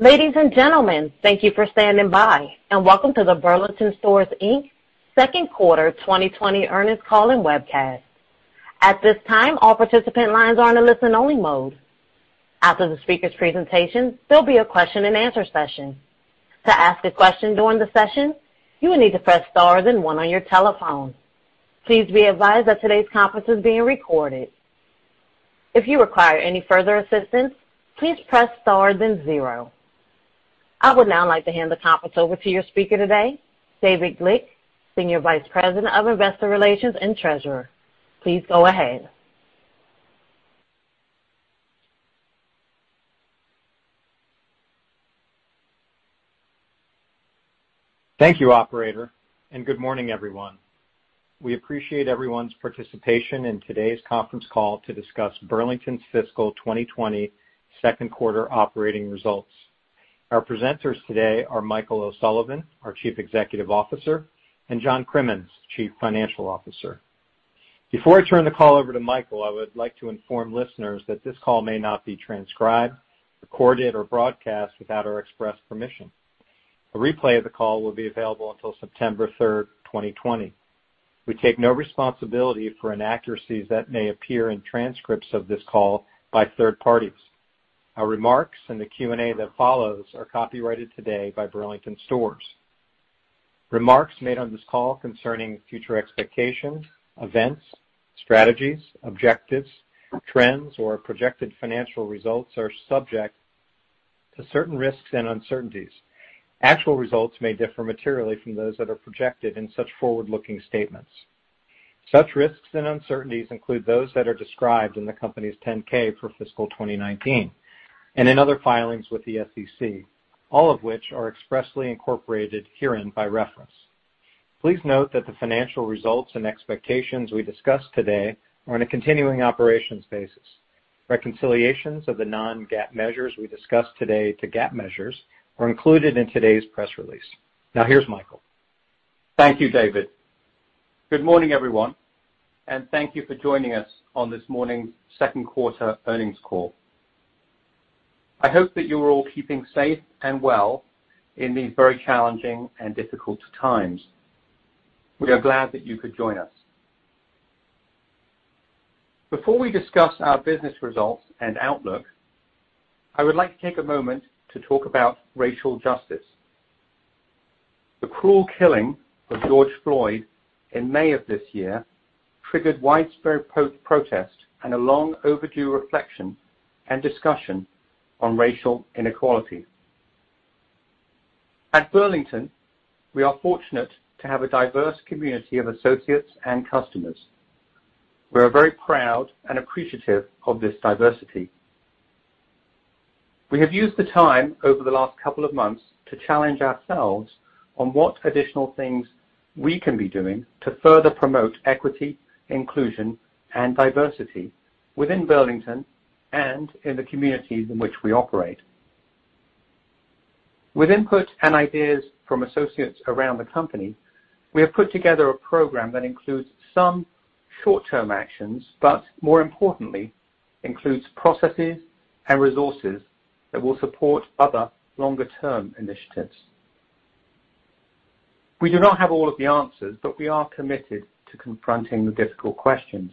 Ladies and gentlemen, thank you for standing by, and welcome to the Burlington Stores Inc Second Quarter 2020 Earnings Call and Webcast. At this time, all participant lines are in a listen-only mode. After the speaker's presentation, there'll be a question and answer session. To ask a question during the session, you will need to press star and one on your telephone. Please be advised that today's conference is being recorded. If you require any further assistance, please press star and zero. I would now like to hand the conference over to your speaker today, David Glick, Senior Vice President of Investor Relations and Treasurer. Please go ahead. Thank you, Operator, and good morning, everyone. We appreciate everyone's participation in today's conference call to discuss Burlington's fiscal 2020 second quarter operating results. Our presenters today are Michael O'Sullivan, our Chief Executive Officer, and John Crimmins, Chief Financial Officer. Before I turn the call over to Michael, I would like to inform listeners that this call may not be transcribed, recorded, or broadcast without our express permission. A replay of the call will be available until September 3rd, 2020. We take no responsibility for inaccuracies that may appear in transcripts of this call by third parties. Our remarks and the Q&A that follows are copyrighted today by Burlington Stores. Remarks made on this call concerning future expectations, events, strategies, objectives, trends, or projected financial results are subject to certain risks and uncertainties. Actual results may differ materially from those that are projected in such forward-looking statements. Such risks and uncertainties include those that are described in the company's 10-K for fiscal 2019 and in other filings with the SEC, all of which are expressly incorporated herein by reference. Please note that the financial results and expectations we discuss today are on a continuing operations basis. Reconciliations of the non-GAAP measures we discuss today to GAAP measures are included in today's press release. Now, here's Michael. Thank you, David. Good morning, everyone, and thank you for joining us on this morning's second quarter earnings call. I hope that you're all keeping safe and well in these very challenging and difficult times. We are glad that you could join us. Before we discuss our business results and outlook, I would like to take a moment to talk about racial justice. The cruel killing of George Floyd in May of this year triggered widespread protest and a long overdue reflection and discussion on racial inequality. At Burlington, we are fortunate to have a diverse community of associates and customers. We are very proud and appreciative of this diversity. We have used the time over the last couple of months to challenge ourselves on what additional things we can be doing to further promote equity, inclusion, and diversity within Burlington and in the communities in which we operate. With input and ideas from associates around the company, we have put together a program that includes some short-term actions, but more importantly, includes processes and resources that will support other longer-term initiatives. We do not have all of the answers, but we are committed to confronting the difficult questions.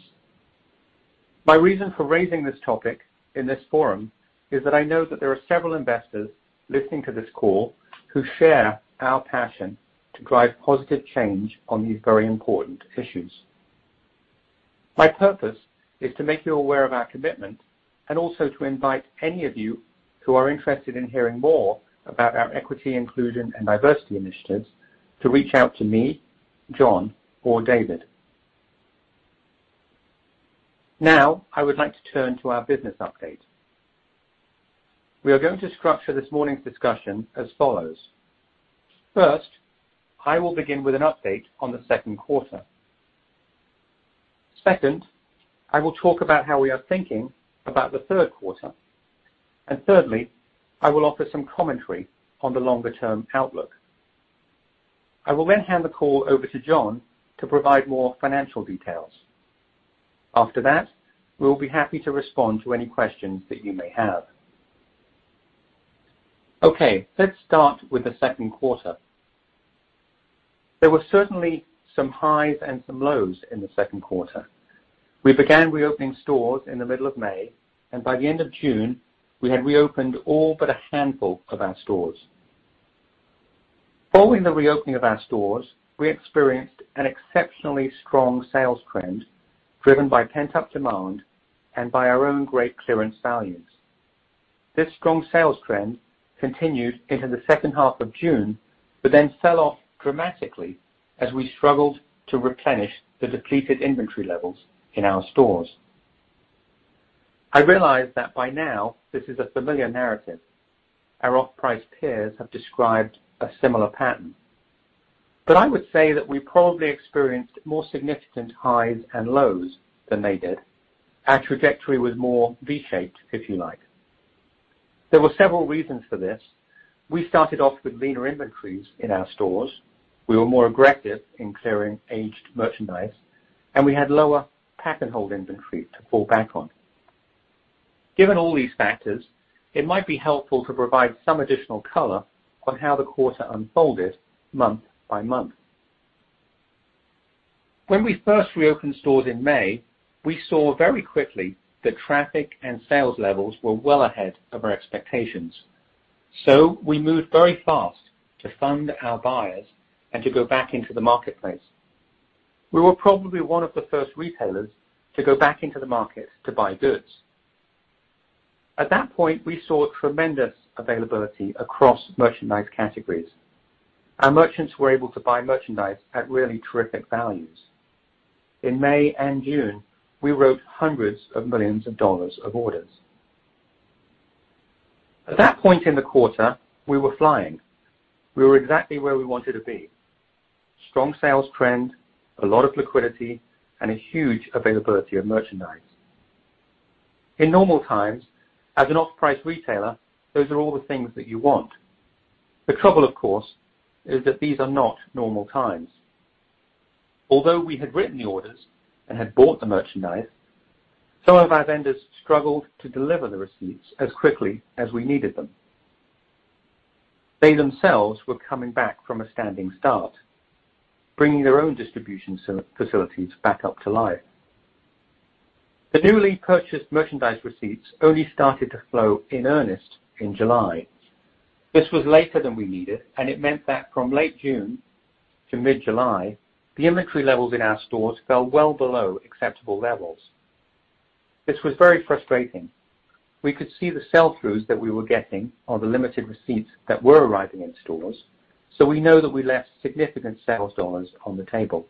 My reason for raising this topic in this forum is that I know that there are several investors listening to this call who share our passion to drive positive change on these very important issues. My purpose is to make you aware of our commitment and also to invite any of you who are interested in hearing more about our equity, inclusion, and diversity initiatives to reach out to me, John, or David. Now, I would like to turn to our business update. We are going to structure this morning's discussion as follows. First, I will begin with an update on the second quarter. Second, I will talk about how we are thinking about the third quarter. Thirdly, I will offer some commentary on the longer-term outlook. I will then hand the call over to John to provide more financial details. After that, we will be happy to respond to any questions that you may have. Okay, let's start with the second quarter. There were certainly some highs and some lows in the second quarter. We began reopening stores in the middle of May, and by the end of June, we had reopened all but a handful of our stores. Following the reopening of our stores, we experienced an exceptionally strong sales trend driven by pent-up demand and by our own great clearance values. This strong sales trend continued into the second half of June, but then fell off dramatically as we struggled to replenish the depleted inventory levels in our stores. I realize that by now, this is a familiar narrative. Our off-price peers have described a similar pattern. But I would say that we probably experienced more significant highs and lows than they did. Our trajectory was more V-shaped, if you like. There were several reasons for this. We started off with leaner inventories in our stores. We were more aggressive in clearing aged merchandise, and we had lower pack-and-hold inventory to fall back on. Given all these factors, it might be helpful to provide some additional color on how the quarter unfolded month by month. When we first reopened stores in May, we saw very quickly that traffic and sales levels were well ahead of our expectations. So we moved very fast to fund our buyers and to go back into the marketplace. We were probably one of the first retailers to go back into the market to buy goods. At that point, we saw tremendous availability across merchandise categories. Our merchants were able to buy merchandise at really terrific values. In May and June, we wrote hundreds of millions of orders. At that point in the quarter, we were flying. We were exactly where we wanted to be. Strong sales trend, a lot of liquidity, and a huge availability of merchandise. In normal times, as an off-price retailer, those are all the things that you want. The trouble, of course, is that these are not normal times. Although we had written the orders and had bought the merchandise, some of our vendors struggled to deliver the receipts as quickly as we needed them. They themselves were coming back from a standing start, bringing their own distribution facilities back up to life. The newly purchased merchandise receipts only started to flow in earnest in July. This was later than we needed, and it meant that from late June to mid-July, the inventory levels in our stores fell well below acceptable levels. This was very frustrating. We could see the sell-throughs that we were getting on the limited receipts that were arriving in stores, so we know that we left significant sales dollars on the table.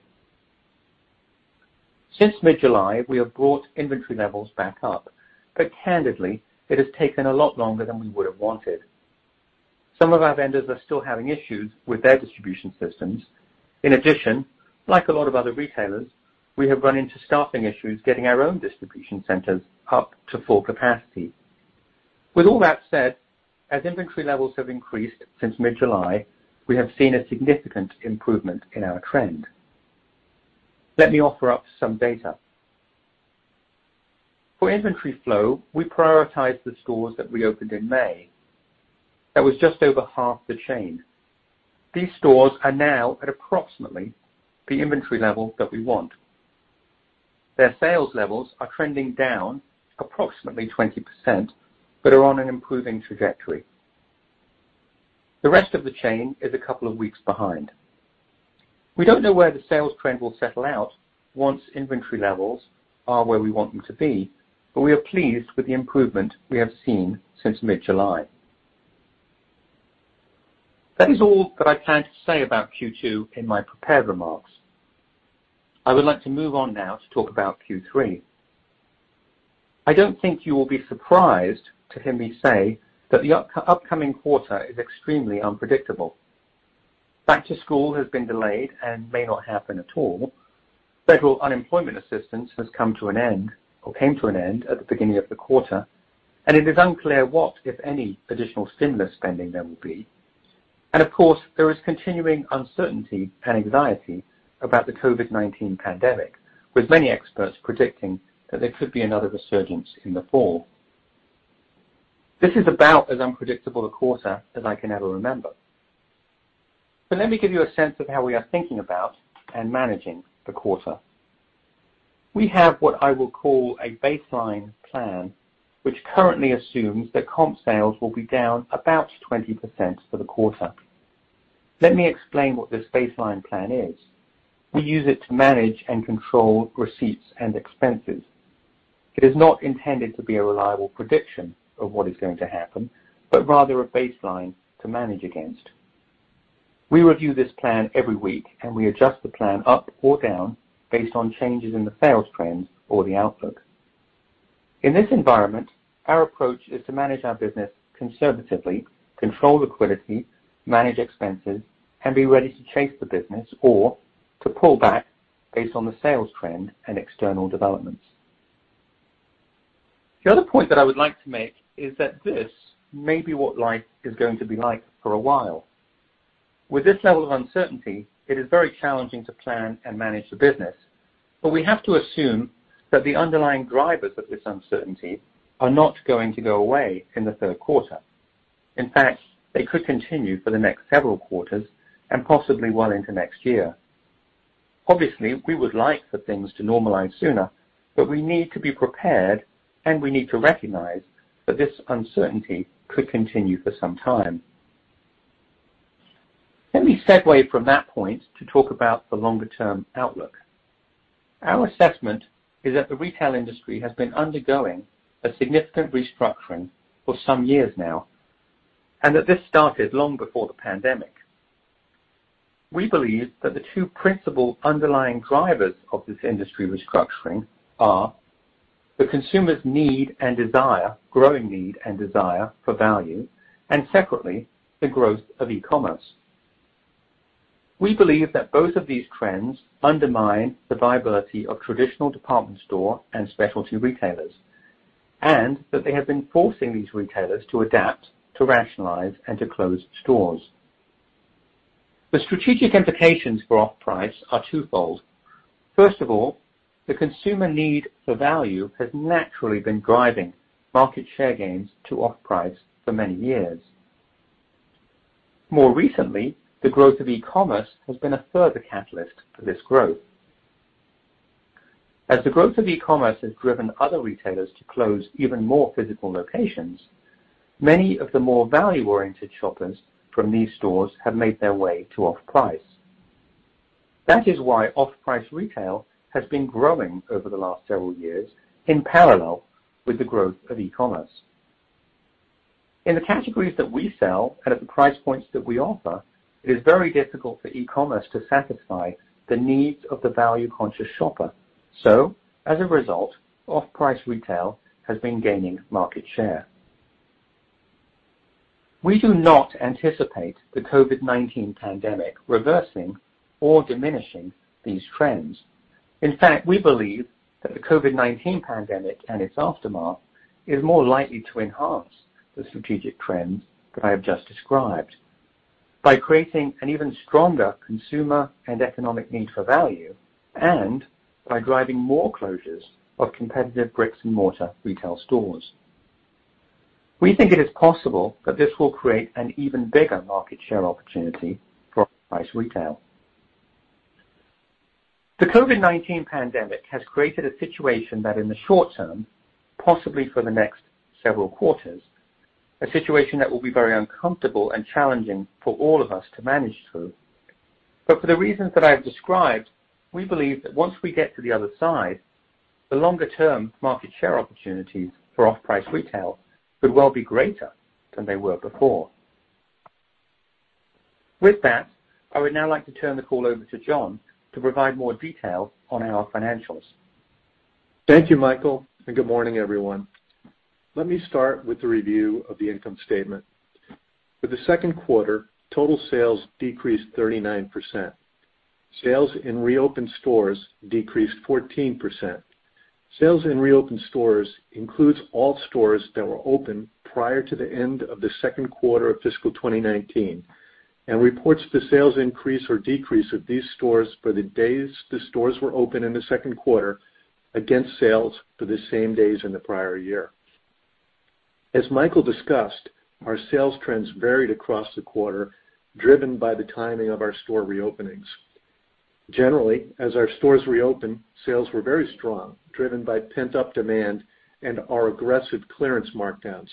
Since mid-July, we have brought inventory levels back up, but candidly, it has taken a lot longer than we would have wanted. Some of our vendors are still having issues with their distribution systems. In addition, like a lot of other retailers, we have run into staffing issues getting our own distribution centers up to full capacity. With all that said, as inventory levels have increased since mid-July, we have seen a significant improvement in our trend. Let me offer up some data. For inventory flow, we prioritized the stores that reopened in May. That was just over half the chain. These stores are now at approximately the inventory level that we want. Their sales levels are trending down approximately 20%, but are on an improving trajectory. The rest of the chain is a couple of weeks behind. We don't know where the sales trend will settle out once inventory levels are where we want them to be, but we are pleased with the improvement we have seen since mid-July. That is all that I plan to say about Q2 in my prepared remarks. I would like to move on now to talk about Q3. I don't think you will be surprised to hear me say that the upcoming quarter is extremely unpredictable. Back-to-school has been delayed and may not happen at all. Federal unemployment assistance has come to an end, or came to an end, at the beginning of the quarter, and it is unclear what, if any, additional stimulus spending there will be, and of course, there is continuing uncertainty and anxiety about the COVID-19 pandemic, with many experts predicting that there could be another resurgence in the fall. This is about as unpredictable a quarter as I can ever remember, but let me give you a sense of how we are thinking about and managing the quarter. We have what I will call a baseline plan, which currently assumes that comp sales will be down about 20% for the quarter. Let me explain what this baseline plan is. We use it to manage and control receipts and expenses. It is not intended to be a reliable prediction of what is going to happen, but rather a baseline to manage against. We review this plan every week, and we adjust the plan up or down based on changes in the sales trends or the outlook. In this environment, our approach is to manage our business conservatively, control liquidity, manage expenses, and be ready to chase the business or to pull back based on the sales trend and external developments. The other point that I would like to make is that this may be what life is going to be like for a while. With this level of uncertainty, it is very challenging to plan and manage the business, but we have to assume that the underlying drivers of this uncertainty are not going to go away in the third quarter. In fact, they could continue for the next several quarters and possibly well into next year. Obviously, we would like for things to normalize sooner, but we need to be prepared, and we need to recognize that this uncertainty could continue for some time. Let me segue from that point to talk about the longer-term outlook. Our assessment is that the retail industry has been undergoing a significant restructuring for some years now, and that this started long before the pandemic. We believe that the two principal underlying drivers of this industry restructuring are the consumer's need and desire, growing need and desire for value, and separately, the growth of e-commerce. We believe that both of these trends undermine the viability of traditional department store and specialty retailers, and that they have been forcing these retailers to adapt, to rationalize, and to close stores. The strategic implications for off-price are twofold. First of all, the consumer need for value has naturally been driving market share gains to off-price for many years. More recently, the growth of e-commerce has been a further catalyst for this growth. As the growth of e-commerce has driven other retailers to close even more physical locations, many of the more value-oriented shoppers from these stores have made their way to off-price. That is why off-price retail has been growing over the last several years in parallel with the growth of e-commerce. In the categories that we sell and at the price points that we offer, it is very difficult for e-commerce to satisfy the needs of the value-conscious shopper. So, as a result, off-price retail has been gaining market share. We do not anticipate the COVID-19 pandemic reversing or diminishing these trends. In fact, we believe that the COVID-19 pandemic and its aftermath is more likely to enhance the strategic trends that I have just described by creating an even stronger consumer and economic need for value, and by driving more closures of competitive bricks-and-mortar retail stores. We think it is possible that this will create an even bigger market share opportunity for off-price retail. The COVID-19 pandemic has created a situation that, in the short term, possibly for the next several quarters, a situation that will be very uncomfortable and challenging for all of us to manage through. But for the reasons that I have described, we believe that once we get to the other side, the longer-term market share opportunities for off-price retail could well be greater than they were before. With that, I would now like to turn the call over to John to provide more detail on our financials. Thank you, Michael, and good morning, everyone. Let me start with the review of the income statement. For the second quarter, total sales decreased 39%. Sales in reopened stores decreased 14%. Sales in reopened stores includes all stores that were open prior to the end of the second quarter of fiscal 2019 and reports the sales increase or decrease of these stores for the days the stores were open in the second quarter against sales for the same days in the prior year. As Michael discussed, our sales trends varied across the quarter, driven by the timing of our store reopenings. Generally, as our stores reopened, sales were very strong, driven by pent-up demand and our aggressive clearance markdowns.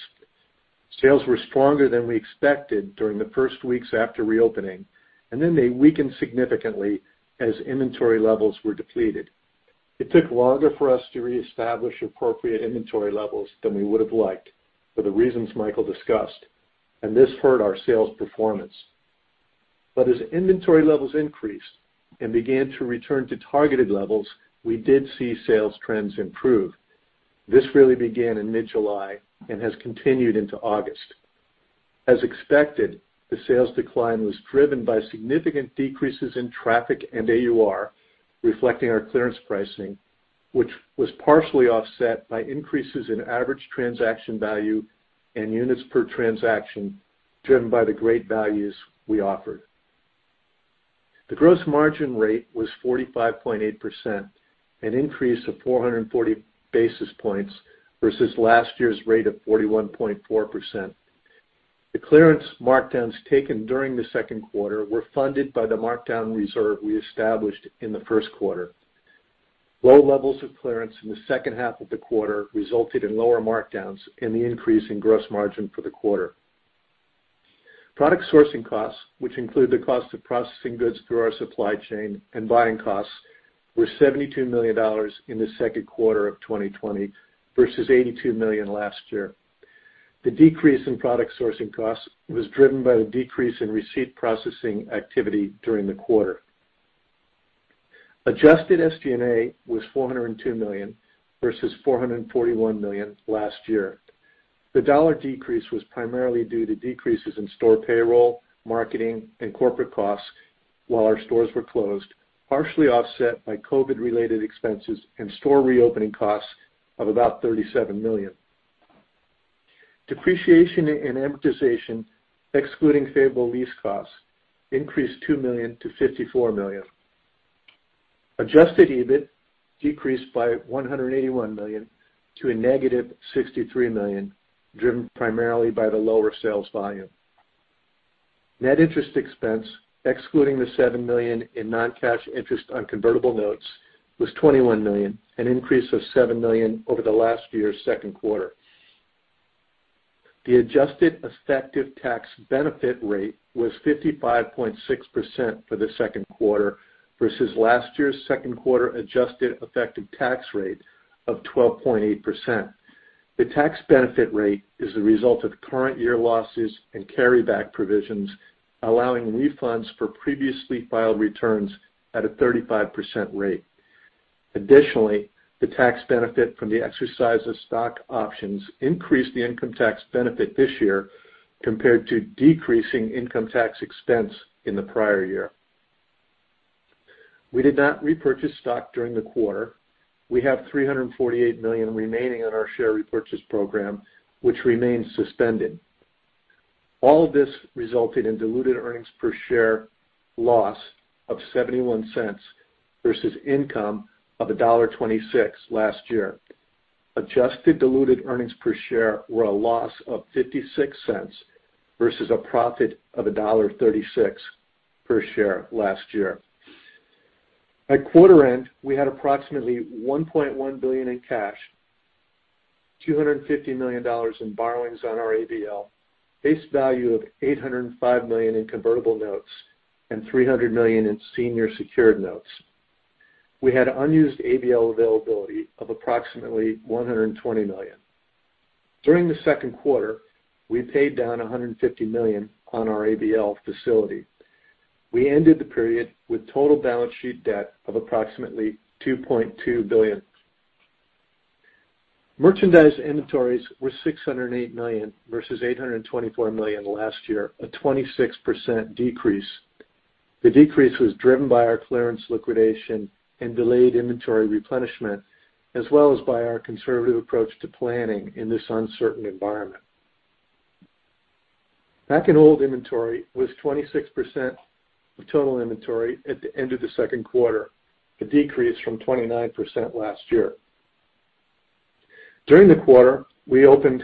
Sales were stronger than we expected during the first weeks after reopening, and then they weakened significantly as inventory levels were depleted. It took longer for us to reestablish appropriate inventory levels than we would have liked for the reasons Michael discussed, and this hurt our sales performance. But as inventory levels increased and began to return to targeted levels, we did see sales trends improve. This really began in mid-July and has continued into August. As expected, the sales decline was driven by significant decreases in traffic and AUR, reflecting our clearance pricing, which was partially offset by increases in average transaction value and units per transaction driven by the great values we offered. The gross margin rate was 45.8%, an increase of 440 basis points versus last year's rate of 41.4%. The clearance markdowns taken during the second quarter were funded by the markdown reserve we established in the first quarter. Low levels of clearance in the second half of the quarter resulted in lower markdowns and the increase in gross margin for the quarter. Product sourcing costs, which include the cost of processing goods through our supply chain and buying costs, were $72 million in the second quarter of 2020 versus $82 million last year. The decrease in product sourcing costs was driven by the decrease in receipt processing activity during the quarter. Adjusted SG&A was $402 million versus $441 million last year. The dollar decrease was primarily due to decreases in store payroll, marketing, and corporate costs while our stores were closed, partially offset by COVID-related expenses and store reopening costs of about $37 million. Depreciation and amortization, excluding favorable lease costs, increased $2 million to $54 million. Adjusted EBIT decreased by $181 million to a -$63 million, driven primarily by the lower sales volume. Net interest expense, excluding the $7 million in non-cash interest on convertible notes, was $21 million, an increase of $7 million over the last year's second quarter. The adjusted effective tax benefit rate was 55.6% for the second quarter versus last year's second quarter adjusted effective tax rate of 12.8%. The tax benefit rate is the result of current year losses and carryback provisions, allowing refunds for previously filed returns at a 35% rate. Additionally, the tax benefit from the exercise of stock options increased the income tax benefit this year compared to decreasing income tax expense in the prior year. We did not repurchase stock during the quarter. We have $348 million remaining on our share repurchase program, which remains suspended. All of this resulted in diluted earnings per share loss of $0.71 versus income of $1.26 last year. Adjusted diluted earnings per share were a loss of $0.56 versus a profit of $1.36 per share last year. At quarter end, we had approximately $1.1 billion in cash, $250 million in borrowings on our ABL, book value of $805 million in convertible notes, and $300 million in senior secured notes. We had unused ABL availability of approximately $120 million. During the second quarter, we paid down $150 million on our ABL facility. We ended the period with total balance sheet debt of approximately $2.2 billion. Merchandise inventories were $608 million versus $824 million last year, a 26% decrease. The decrease was driven by our clearance liquidation and delayed inventory replenishment, as well as by our conservative approach to planning in this uncertain environment. Pack-and-hold inventory was 26% of total inventory at the end of the second quarter, a decrease from 29% last year. During the quarter, we opened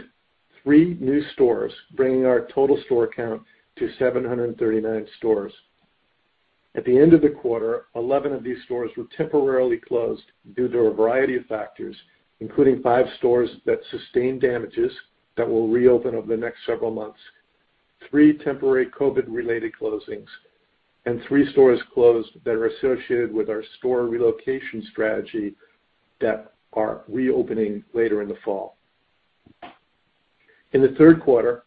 three new stores, bringing our total store count to 739 stores. At the end of the quarter, 11 of these stores were temporarily closed due to a variety of factors, including five stores that sustained damages that will reopen over the next several months, three temporary COVID-related closings, and three stores closed that are associated with our store relocation strategy that are reopening later in the fall. In the third quarter,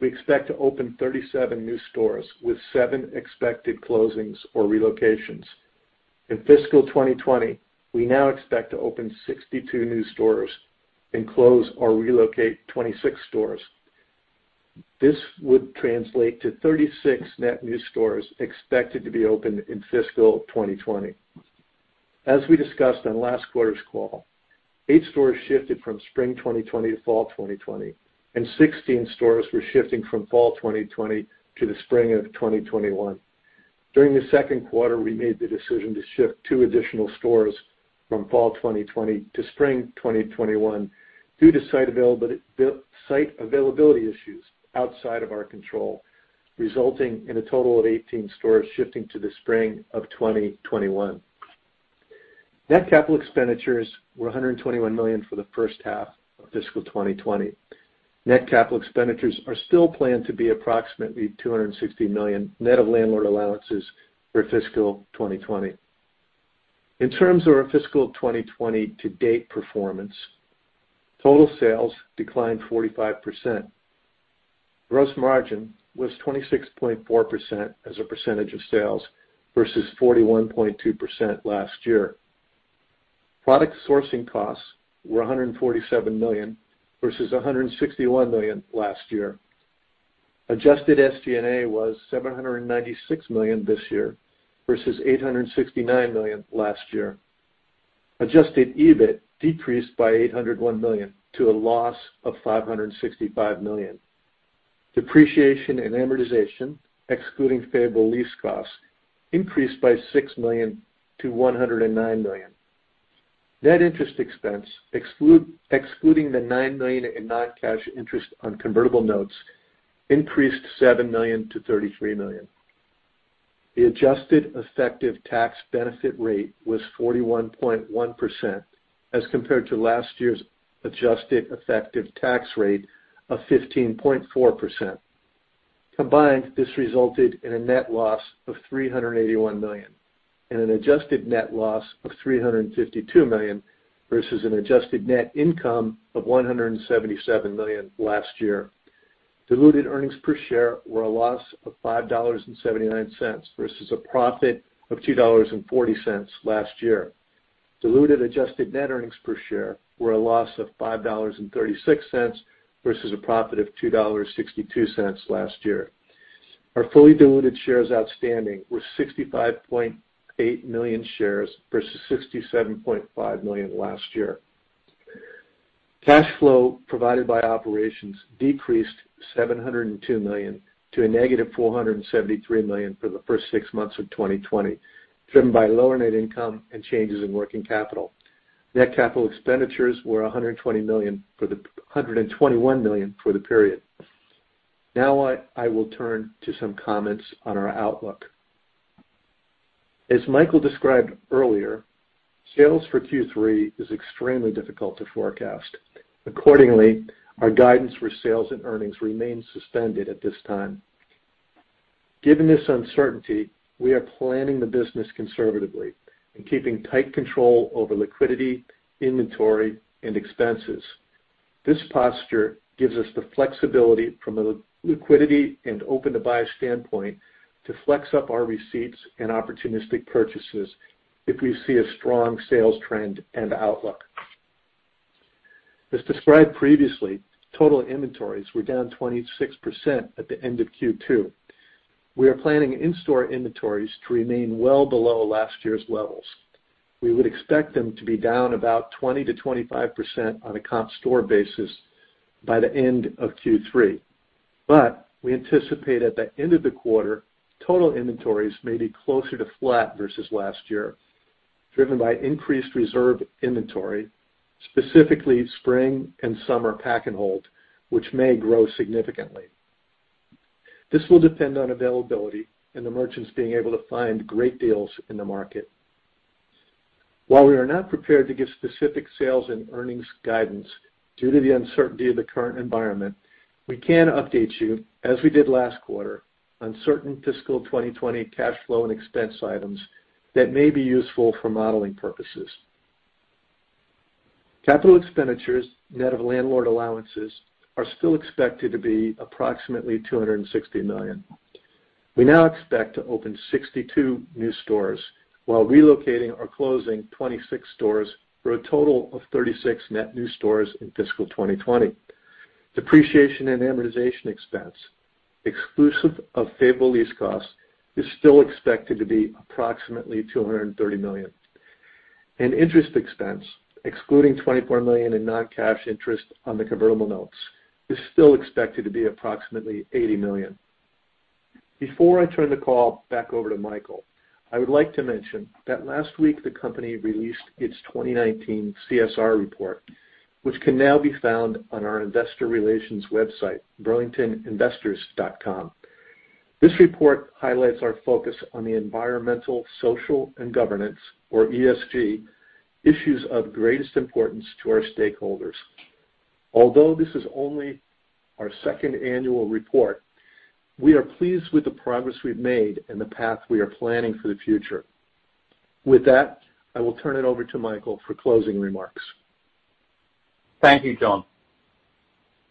we expect to open 37 new stores with seven expected closings or relocations. In fiscal 2020, we now expect to open 62 new stores and close or relocate 26 stores. This would translate to 36 net new stores expected to be opened in fiscal 2020. As we discussed on last quarter's call, eight stores shifted from spring 2020 to fall 2020, and 16 stores were shifting from fall 2020 to the spring of 2021. During the second quarter, we made the decision to shift two additional stores from fall 2020 to spring 2021 due to site availability issues outside of our control, resulting in a total of 18 stores shifting to the spring of 2021. Net capital expenditures were $121 million for the first half of fiscal 2020. Net capital expenditures are still planned to be approximately $260 million net of landlord allowances for fiscal 2020. In terms of our fiscal 2020 to date performance, total sales declined 45%. Gross margin was 26.4% as a percentage of sales versus 41.2% last year. Product sourcing costs were $147 million versus $161 million last year. Adjusted SG&A was $796 million this year versus $869 million last year. Adjusted EBIT decreased by $801 million to a loss of $565 million. Depreciation and amortization, excluding favorable lease costs, increased by $6 million to $109 million. Net interest expense, excluding the $9 million in non-cash interest on convertible notes, increased $7 million to $33 million. The adjusted effective tax benefit rate was 41.1% as compared to last year's adjusted effective tax rate of 15.4%. Combined, this resulted in a net loss of $381 million and an adjusted net loss of $352 million versus an adjusted net income of $177 million last year. Diluted earnings per share were a loss of $5.79 versus a profit of $2.40 last year. Diluted adjusted net earnings per share were a loss of $5.36 versus a profit of $2.62 last year. Our fully diluted shares outstanding were 65.8 million shares versus 67.5 million last year. Cash flow provided by operations decreased $702 million to a -$473 million for the first six months of 2020, driven by lower net income and changes in working capital. Net capital expenditures were $121 million for the period. Now, I will turn to some comments on our outlook. As Michael described earlier, sales for Q3 is extremely difficult to forecast. Accordingly, our guidance for sales and earnings remains suspended at this time. Given this uncertainty, we are planning the business conservatively and keeping tight control over liquidity, inventory, and expenses. This posture gives us the flexibility from a liquidity and open-to-buy standpoint to flex up our receipts and opportunistic purchases if we see a strong sales trend and outlook. As described previously, total inventories were down 26% at the end of Q2. We are planning in-store inventories to remain well below last year's levels. We would expect them to be down about 20%-25% on a comp store basis by the end of Q3, but we anticipate at the end of the quarter, total inventories may be closer to flat versus last year, driven by increased reserve inventory, specifically spring and summer pack and hold, which may grow significantly. This will depend on availability and the merchants being able to find great deals in the market. While we are not prepared to give specific sales and earnings guidance due to the uncertainty of the current environment, we can update you, as we did last quarter, on certain fiscal 2020 cash flow and expense items that may be useful for modeling purposes. Capital expenditures, net of landlord allowances, are still expected to be approximately $260 million. We now expect to open 62 new stores while relocating or closing 26 stores for a total of 36 net new stores in fiscal 2020. Depreciation and amortization expense, exclusive of favorable lease costs, is still expected to be approximately $230 million. And interest expense, excluding $24 million in non-cash interest on the convertible notes, is still expected to be approximately $80 million. Before I turn the call back over to Michael, I would like to mention that last week the company released its 2019 CSR report, which can now be found on our investor relations website, burlingtoninvestors.com. This report highlights our focus on the Environmental, Social, and Governance, or ESG, issues of greatest importance to our stakeholders. Although this is only our second annual report, we are pleased with the progress we've made and the path we are planning for the future. With that, I will turn it over to Michael for closing remarks. Thank you, John.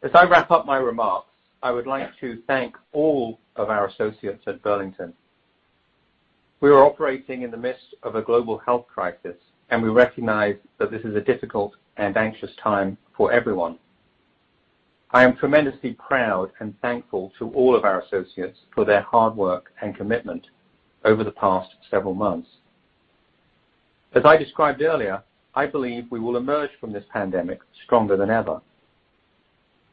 As I wrap up my remarks, I would like to thank all of our associates at Burlington. We are operating in the midst of a global health crisis, and we recognize that this is a difficult and anxious time for everyone. I am tremendously proud and thankful to all of our associates for their hard work and commitment over the past several months. As I described earlier, I believe we will emerge from this pandemic stronger than ever.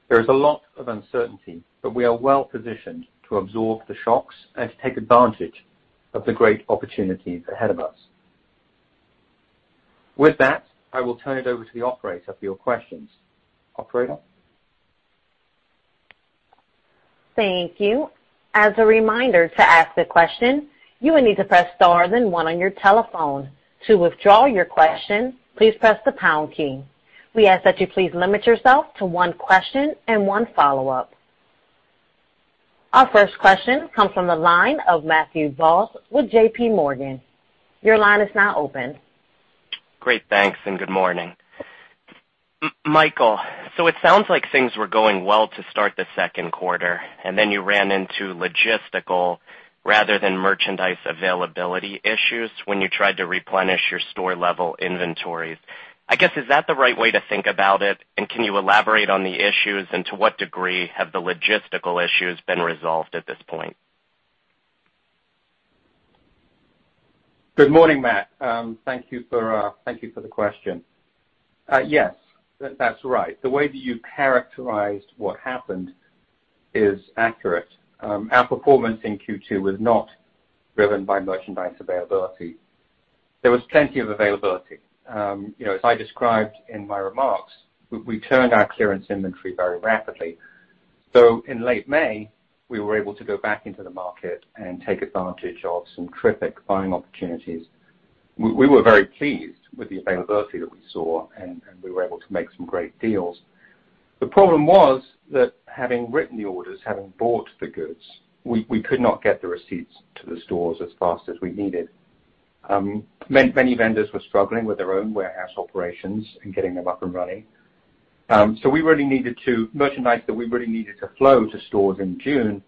There is a lot of uncertainty, but we are well positioned to absorb the shocks and to take advantage of the great opportunities ahead of us. With that, I will turn it over to the operator for your questions. Operator? Thank you. As a reminder to ask a question, you will need to press star then one on your telephone. To withdraw your question, please press the pound key. We ask that you please limit yourself to one question and one follow-up. Our first question comes from the line of Matthew Boss with JPMorgan. Your line is now open. Great. Thanks and good morning. Michael, so it sounds like things were going well to start the second quarter, and then you ran into logistical rather than merchandise availability issues when you tried to replenish your store-level inventories. I guess, is that the right way to think about it? And can you elaborate on the issues and to what degree have the logistical issues been resolved at this point? Good morning, Matt. Thank you for the question. Yes, that's right. The way that you characterized what happened is accurate. Our performance in Q2 was not driven by merchandise availability. There was plenty of availability. As I described in my remarks, we turned our clearance inventory very rapidly. So in late May, we were able to go back into the market and take advantage of some terrific buying opportunities. We were very pleased with the availability that we saw, and we were able to make some great deals. The problem was that having written the orders, having bought the goods, we could not get the receipts to the stores as fast as we needed. Many vendors were struggling with their own warehouse operations and getting them up and running. We really needed to merchandise that we really needed to flow to stores in June.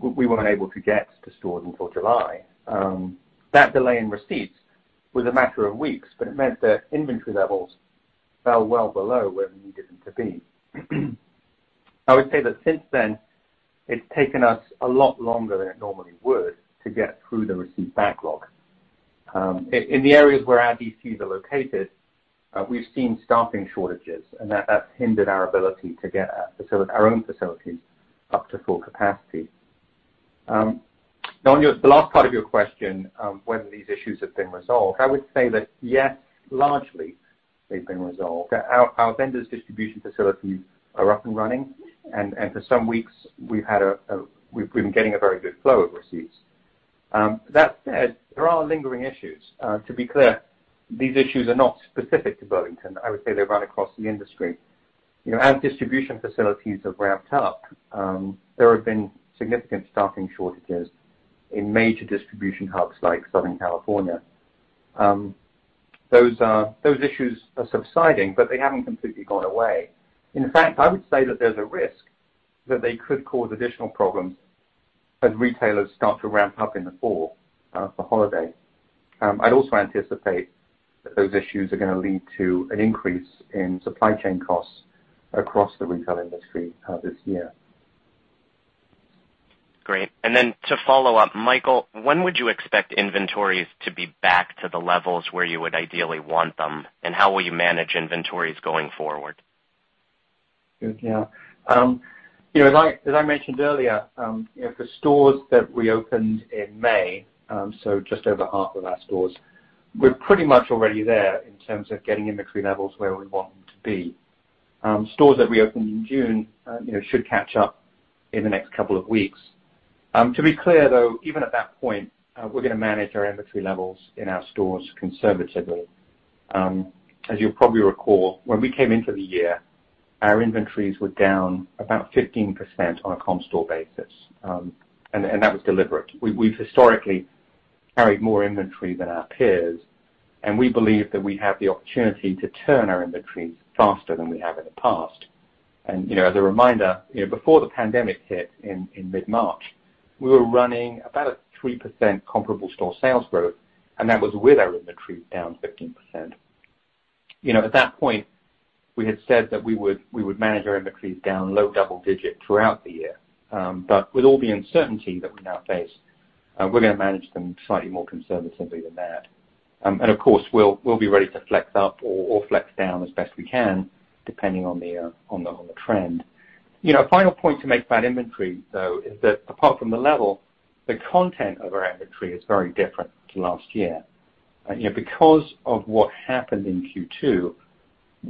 We weren't able to get to stores until July. That delay in receipts was a matter of weeks, but it meant that inventory levels fell well below where we needed them to be. I would say that since then, it's taken us a lot longer than it normally would to get through the receipt backlog. In the areas where our DCs are located, we've seen staffing shortages, and that's hindered our ability to get our own facilities up to full capacity. On the last part of your question, whether these issues have been resolved, I would say that yes, largely they've been resolved. Our vendors' distribution facilities are up and running, and for some weeks, we've been getting a very good flow of receipts. That said, there are lingering issues. To be clear, these issues are not specific to Burlington. I would say they run across the industry. As distribution facilities have ramped up, there have been significant staffing shortages in major distribution hubs like Southern California. Those issues are subsiding, but they haven't completely gone away. In fact, I would say that there's a risk that they could cause additional problems as retailers start to ramp up in the fall for holiday. I'd also anticipate that those issues are going to lead to an increase in supply chain costs across the retail industry this year. Great. And then to follow up, Michael, when would you expect inventories to be back to the levels where you would ideally want them, and how will you manage inventories going forward? Good. Yeah. As I mentioned earlier, for stores that reopened in May, so just over half of our stores, we're pretty much already there in terms of getting inventory levels where we want them to be. Stores that reopened in June should catch up in the next couple of weeks. To be clear, though, even at that point, we're going to manage our inventory levels in our stores conservatively. As you'll probably recall, when we came into the year, our inventories were down about 15% on a comp store basis, and that was deliberate. We've historically carried more inventory than our peers, and we believe that we have the opportunity to turn our inventories faster than we have in the past. And as a reminder, before the pandemic hit in mid-March, we were running about a 3% comparable store sales growth, and that was with our inventory down 15%. At that point, we had said that we would manage our inventories down low double digits throughout the year. But with all the uncertainty that we now face, we're going to manage them slightly more conservatively than that, and of course, we'll be ready to flex up or flex down as best we can, depending on the trend. A final point to make about inventory, though, is that apart from the level, the content of our inventory is very different to last year. Because of what happened in Q2,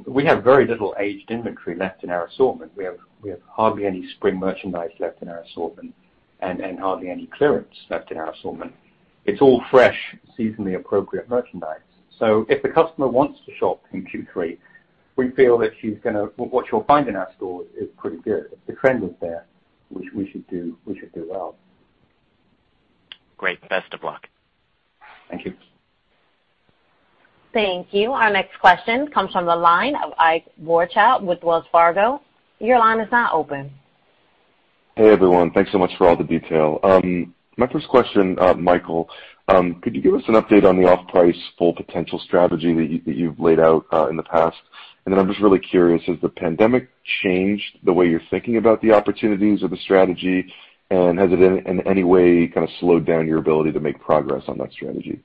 we have very little aged inventory left in our assortment. We have hardly any spring merchandise left in our assortment and hardly any clearance left in our assortment. It's all fresh, seasonally appropriate merchandise. So if the customer wants to shop in Q3, we feel that she's going to what she'll find in our stores is pretty good. If the trend is there, we should do well. Great. Best of luck. Thank you. Thank you. Our next question comes from the line of Ike Boruchow with Wells Fargo. Your line is now open. Hey, everyone. Thanks so much for all the detail. My first question, Michael, could you give us an update on the Off-Price Full Potential strategy that you've laid out in the past? And then I'm just really curious, has the pandemic changed the way you're thinking about the opportunities of the strategy, and has it in any way kind of slowed down your ability to make progress on that strategy?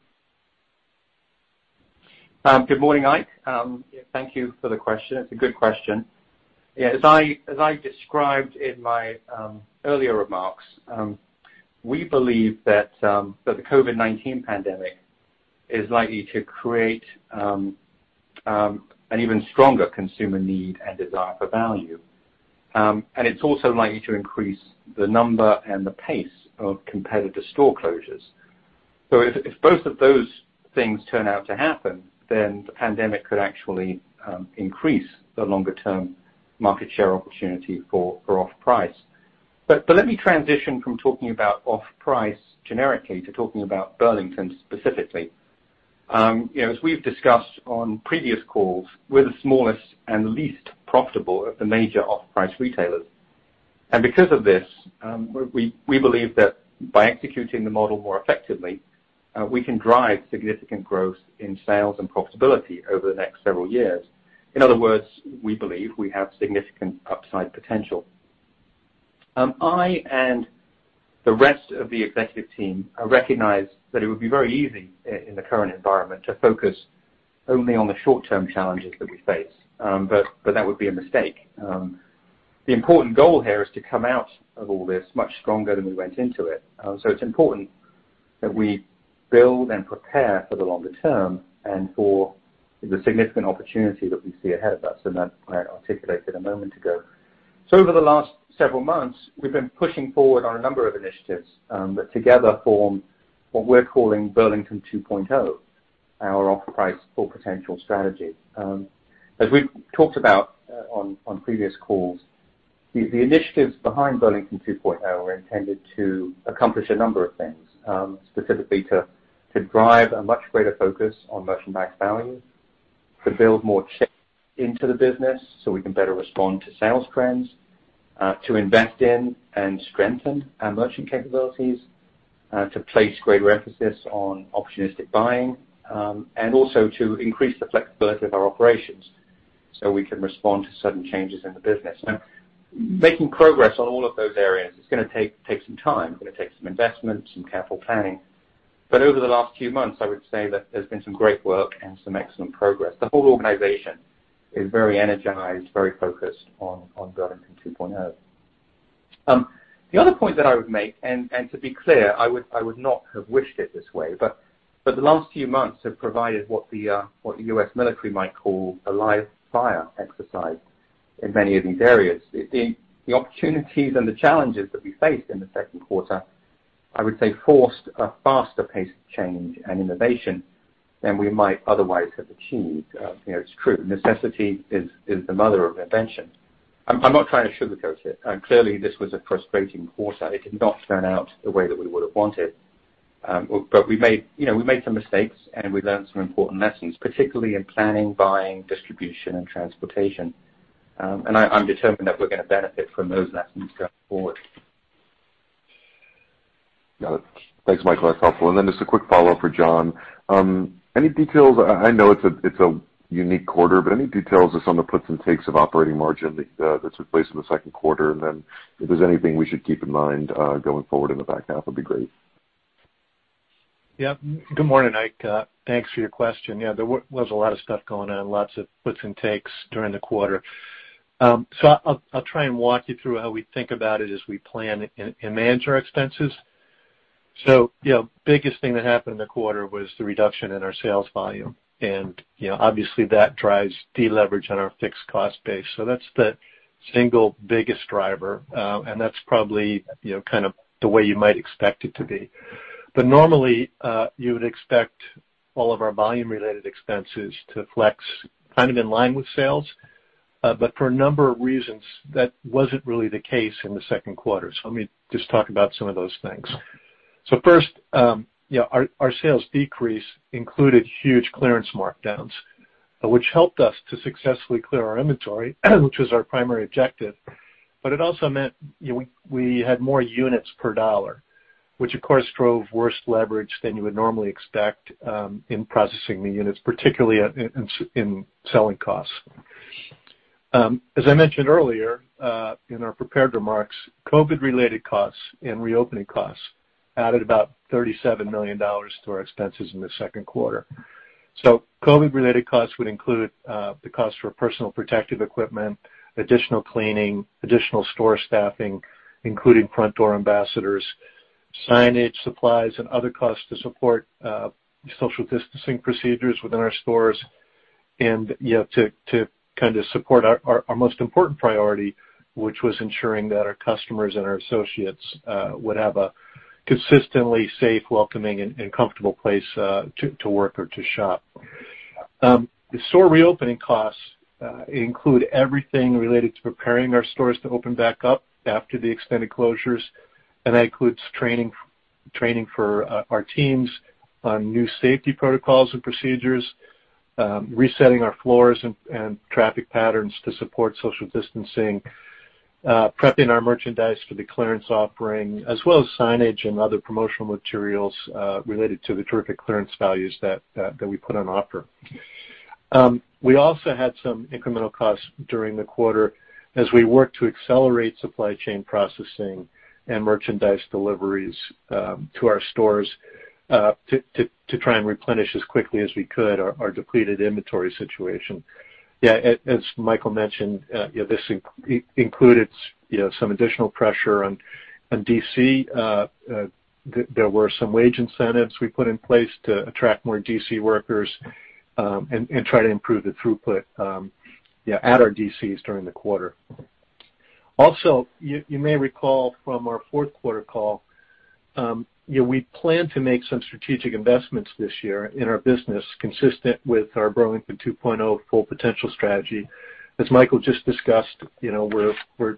Good morning, Ike. Thank you for the question. It's a good question. Yeah. As I described in my earlier remarks, we believe that the COVID-19 pandemic is likely to create an even stronger consumer need and desire for value. And it's also likely to increase the number and the pace of competitor store closures. So if both of those things turn out to happen, then the pandemic could actually increase the longer-term market share opportunity for off-price. But let me transition from talking about off-price generically to talking about Burlington specifically. As we've discussed on previous calls, we're the smallest and least profitable of the major off-price retailers. And because of this, we believe that by executing the model more effectively, we can drive significant growth in sales and profitability over the next several years. In other words, we believe we have significant upside potential. I and the rest of the executive team recognize that it would be very easy in the current environment to focus only on the short-term challenges that we face, but that would be a mistake. The important goal here is to come out of all this much stronger than we went into it. So it's important that we build and prepare for the longer term and for the significant opportunity that we see ahead of us, and that's what I articulated a moment ago. So over the last several months, we've been pushing forward on a number of initiatives that together form what we're calling Burlington 2.0, our off-price full potential strategy. As we've talked about on previous calls, the initiatives behind Burlington 2.0 are intended to accomplish a number of things, specifically to drive a much greater focus on merchandise value, to build more chain into the business so we can better respond to sales trends, to invest in and strengthen our merchant capabilities, to place greater emphasis on opportunistic buying, and also to increase the flexibility of our operations so we can respond to sudden changes in the business. Making progress on all of those areas is going to take some time. It's going to take some investment, some careful planning. But over the last few months, I would say that there's been some great work and some excellent progress. The whole organization is very energized, very focused on Burlington 2.0. The other point that I would make, and to be clear, I would not have wished it this way, but the last few months have provided what the U.S. military might call a live-fire exercise in many of these areas. The opportunities and the challenges that we faced in the second quarter, I would say, forced a faster-paced change and innovation than we might otherwise have achieved. It's true. Necessity is the mother of invention. I'm not trying to sugarcoat it. Clearly, this was a frustrating quarter. It did not turn out the way that we would have wanted. But we made some mistakes, and we learned some important lessons, particularly in planning, buying, distribution, and transportation, and I'm determined that we're going to benefit from those lessons going forward. Thanks, Michael. That's helpful. And then just a quick follow-up for John. Any details? I know it's a unique quarter, but any details just on the puts and takes of operating margin that took place in the second quarter? And then if there's anything we should keep in mind going forward in the back half, it'd be great. Yep. Good morning, Ike. Thanks for your question. Yeah, there was a lot of stuff going on, lots of puts and takes during the quarter. So I'll try and walk you through how we think about it as we plan and manage our expenses. So the biggest thing that happened in the quarter was the reduction in our sales volume. And obviously, that drives deleverage on our fixed cost base. So that's the single biggest driver, and that's probably kind of the way you might expect it to be. But normally, you would expect all of our volume-related expenses to flex kind of in line with sales. But for a number of reasons, that wasn't really the case in the second quarter. So let me just talk about some of those things. So first, our sales decrease included huge clearance markdowns, which helped us to successfully clear our inventory, which was our primary objective. But it also meant we had more units per dollar, which, of course, drove worse leverage than you would normally expect in processing the units, particularly in selling costs. As I mentioned earlier in our prepared remarks, COVID-related costs and reopening costs added about $37 million to our expenses in the second quarter. So COVID-related costs would include the cost for personal protective equipment, additional cleaning, additional store staffing, including front door ambassadors, signage supplies, and other costs to support social distancing procedures within our stores, and to kind of support our most important priority, which was ensuring that our customers and our associates would have a consistently safe, welcoming, and comfortable place to work or to shop. The store reopening costs include everything related to preparing our stores to open back up after the extended closures, and that includes training for our teams on new safety protocols and procedures, resetting our floors and traffic patterns to support social distancing, prepping our merchandise for the clearance offering, as well as signage and other promotional materials related to the terrific clearance values that we put on offer. We also had some incremental costs during the quarter as we worked to accelerate supply chain processing and merchandise deliveries to our stores to try and replenish as quickly as we could our depleted inventory situation. Yeah, as Michael mentioned, this included some additional pressure on DC. There were some wage incentives we put in place to attract more DC workers and try to improve the throughput at our DCs during the quarter. Also, you may recall from our fourth quarter call, we plan to make some strategic investments this year in our business consistent with our Burlington 2.0 full potential strategy. As Michael just discussed, we're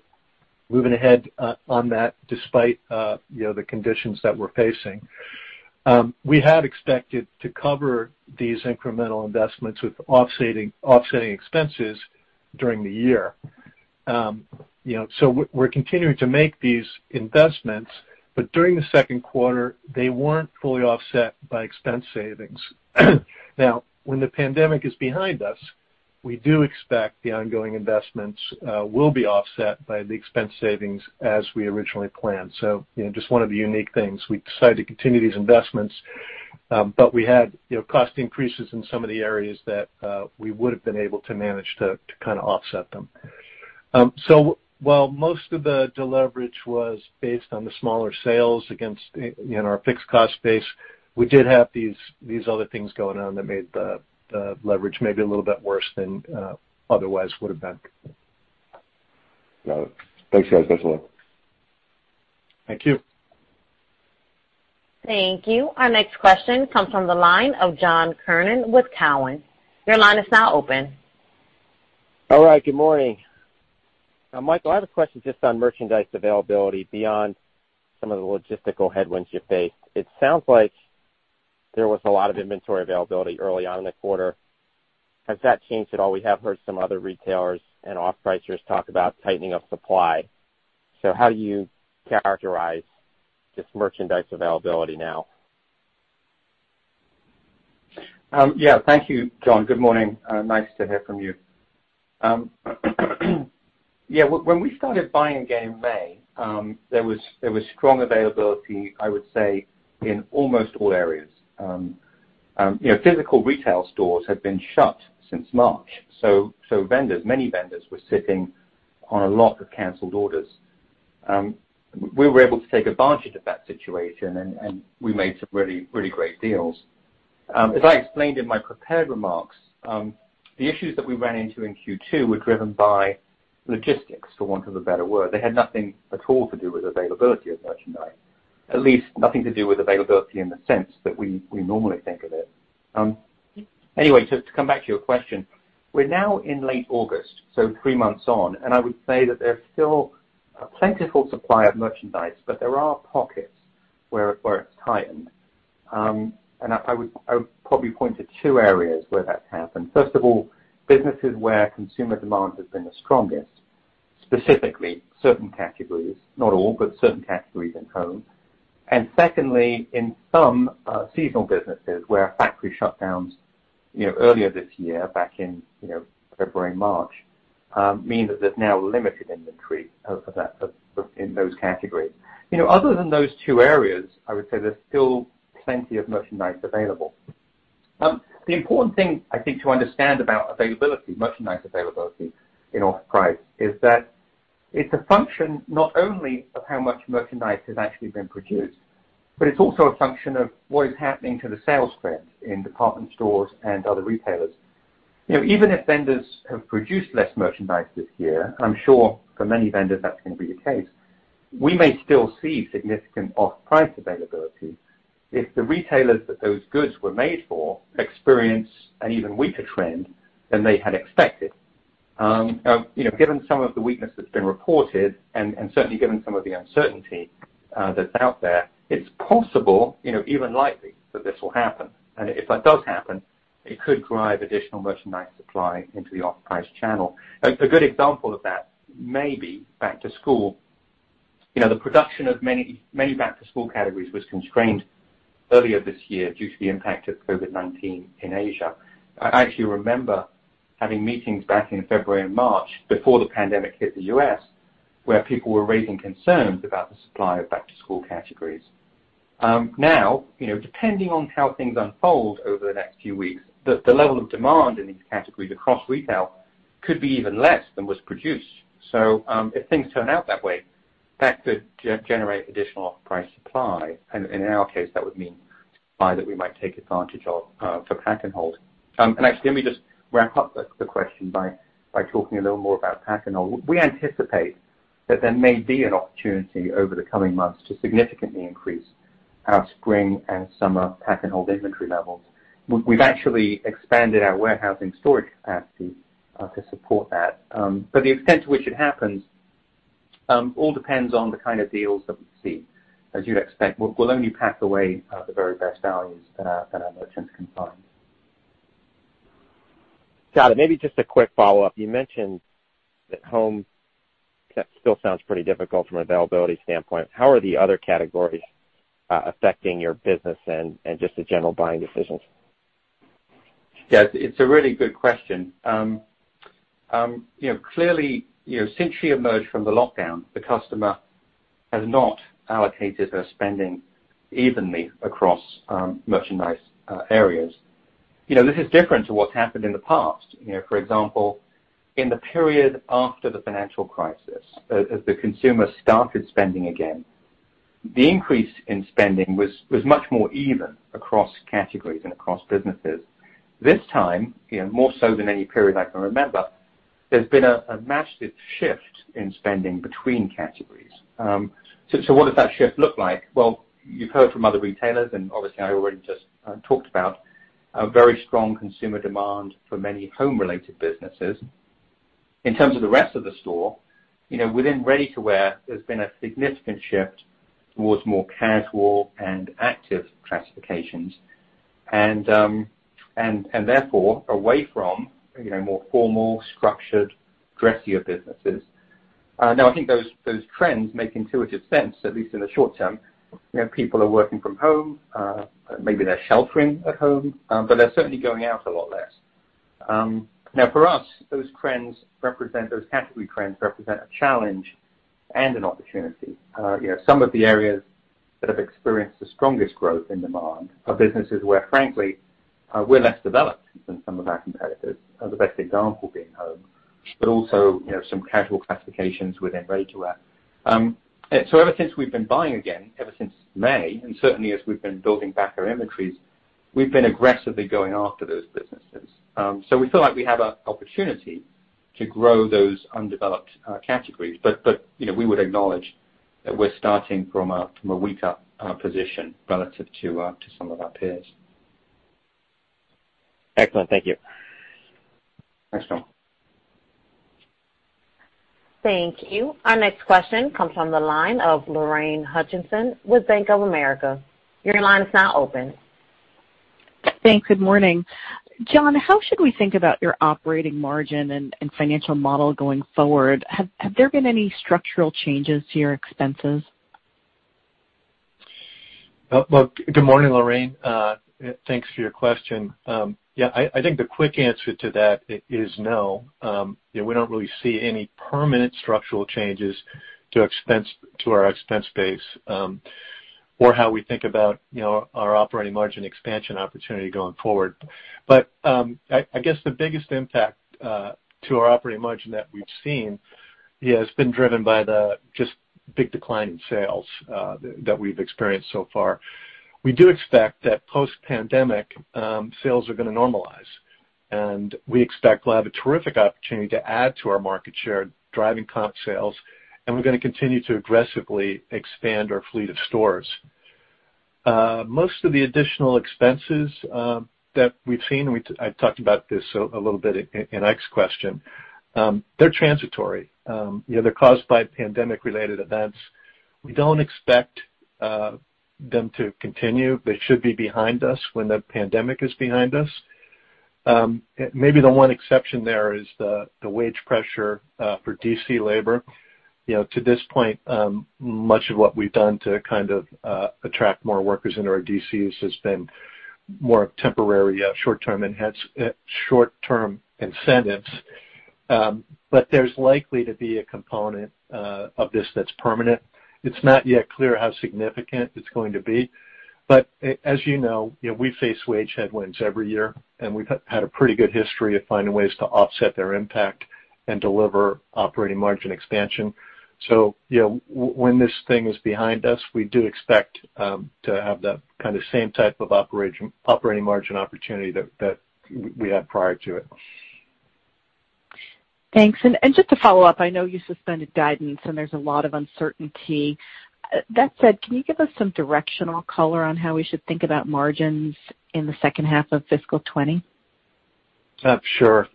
moving ahead on that despite the conditions that we're facing. We had expected to cover these incremental investments with offsetting expenses during the year. So we're continuing to make these investments, but during the second quarter, they weren't fully offset by expense savings. Now, when the pandemic is behind us, we do expect the ongoing investments will be offset by the expense savings as we originally planned. So just one of the unique things, we decided to continue these investments, but we had cost increases in some of the areas that we would have been able to manage to kind of offset them. So while most of the deleverage was based on the smaller sales against our fixed cost base, we did have these other things going on that made the leverage maybe a little bit worse than otherwise would have been. Got it. Thanks, guys. Thanks a lot. Thank you. Thank you. Our next question comes from the line of John Kernan with Cowen. Your line is now open. All right. Good morning. Michael, I have a question just on merchandise availability beyond some of the logistical headwinds you faced. It sounds like there was a lot of inventory availability early on in the quarter. Has that changed at all? We have heard some other retailers and off-pricers talk about tightening up supply. So how do you characterize this merchandise availability now? Yeah. Thank you, John. Good morning. Nice to hear from you. Yeah. When we started buying again in May, there was strong availability, I would say, in almost all areas. Physical retail stores had been shut since March. So many vendors were sitting on a lot of canceled orders. We were able to take advantage of that situation, and we made some really, really great deals. As I explained in my prepared remarks, the issues that we ran into in Q2 were driven by logistics, for want of a better word. They had nothing at all to do with availability of merchandise, at least nothing to do with availability in the sense that we normally think of it. Anyway, to come back to your question, we're now in late August, so three months on, and I would say that there's still a plentiful supply of merchandise, but there are pockets where it's tightened, and I would probably point to two areas where that's happened. First of all, businesses where consumer demand has been the strongest, specifically certain categories, not all, but certain categories in home, and secondly, in some seasonal businesses where factory shutdowns earlier this year, back in February/March, mean that there's now limited inventory in those categories. Other than those two areas, I would say there's still plenty of merchandise available. The important thing, I think, to understand about merchandise availability in off-price is that it's a function not only of how much merchandise has actually been produced, but it's also a function of what is happening to the sales trends in department stores and other retailers. Even if vendors have produced less merchandise this year, I'm sure for many vendors that's going to be the case, we may still see significant off-price availability if the retailers that those goods were made for experience an even weaker trend than they had expected. Given some of the weakness that's been reported and certainly given some of the uncertainty that's out there, it's possible, even likely, that this will happen. And if that does happen, it could drive additional merchandise supply into the off-price channel. A good example of that may be back-to-school. The production of many back-to-school categories was constrained earlier this year due to the impact of COVID-19 in Asia. I actually remember having meetings back in February and March before the pandemic hit the U.S. where people were raising concerns about the supply of back-to-school categories. Now, depending on how things unfold over the next few weeks, the level of demand in these categories across retail could be even less than was produced, so if things turn out that way, that could generate additional off-price supply, and in our case, that would mean supply that we might take advantage of for pack and hold, and actually, let me just wrap up the question by talking a little more about pack and hold. We anticipate that there may be an opportunity over the coming months to significantly increase our spring and summer pack and hold inventory levels. We've actually expanded our warehousing storage capacity to support that. But the extent to which it happens all depends on the kind of deals that we see. As you'd expect, we'll only pack away the very best values that our merchants can find. Got it. Maybe just a quick follow-up. You mentioned that home still sounds pretty difficult from an availability standpoint. How are the other categories affecting your business and just the general buying decisions? Yes. It's a really good question. Clearly, since we emerged from the lockdown, the customer has not allocated their spending evenly across merchandise areas. This is different to what's happened in the past. For example, in the period after the financial crisis, as the consumer started spending again, the increase in spending was much more even across categories and across businesses. This time, more so than any period I can remember, there's been a massive shift in spending between categories. So what does that shift look like? Well, you've heard from other retailers, and obviously, I already just talked about a very strong consumer demand for many home-related businesses. In terms of the rest of the store, within ready-to-wear, there's been a significant shift towards more casual and active classifications and therefore away from more formal, structured, dressier businesses. Now, I think those trends make intuitive sense, at least in the short term. People are working from home. Maybe they're sheltering at home, but they're certainly going out a lot less. Now, for us, those category trends represent a challenge and an opportunity. Some of the areas that have experienced the strongest growth in demand are businesses where, frankly, we're less developed than some of our competitors, the best example being home, but also some casual classifications within ready-to-wear. So ever since we've been buying again, ever since May, and certainly as we've been building back our inventories, we've been aggressively going after those businesses. So we feel like we have an opportunity to grow those undeveloped categories. But we would acknowledge that we're starting from a weaker position relative to some of our peers. Excellent. Thank you. Thanks, John. Thank you. Our next question comes from the line of Lorraine Hutchinson with Bank of America. Your line is now open. Thanks. Good morning. John, how should we think about your operating margin and financial model going forward? Have there been any structural changes to your expenses? Good morning, Lorraine. Thanks for your question. Yeah, I think the quick answer to that is no. We don't really see any permanent structural changes to our expense base or how we think about our operating margin expansion opportunity going forward. But I guess the biggest impact to our operating margin that we've seen has been driven by the just big decline in sales that we've experienced so far. We do expect that post-pandemic sales are going to normalize. And we expect we'll have a terrific opportunity to add to our market share, driving comp sales, and we're going to continue to aggressively expand our fleet of stores. Most of the additional expenses that we've seen, and I talked about this a little bit in the question, they're transitory. They're caused by pandemic-related events. We don't expect them to continue. They should be behind us when the pandemic is behind us. Maybe the one exception there is the wage pressure for DC labor. To this point, much of what we've done to kind of attract more workers into our DCs has been more of temporary short-term incentives. But there's likely to be a component of this that's permanent. It's not yet clear how significant it's going to be. But as you know, we face wage headwinds every year, and we've had a pretty good history of finding ways to offset their impact and deliver operating margin expansion. So when this thing is behind us, we do expect to have that kind of same type of operating margin opportunity that we had prior to it. Thanks. And just to follow up, I know you suspended guidance, and there's a lot of uncertainty. That said, can you give us some directional color on how we should think about margins in the second half of fiscal 2020? Sure.